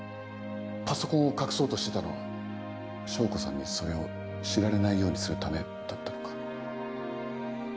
パソコンを隠そうとしてたのは祥子さんにそれを知られないようにするためだったのか？